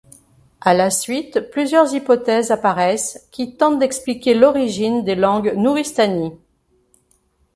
À la suite plusieurs hypothèses apparaissent qui tentent d'expliquer l'origine des langues nouristanies.